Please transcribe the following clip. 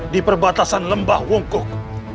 di perbatasan lembah wungkuk